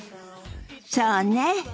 そうね。